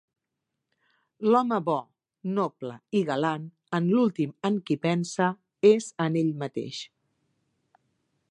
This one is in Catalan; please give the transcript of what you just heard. L'home bo, noble i galant en l'últim en qui pensa és en ell mateix.